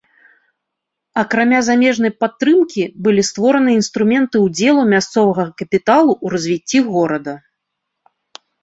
Акрамя замежнай падтрымкі былі створаны інструменты ўдзелу мясцовага капіталу ў развіцці горада.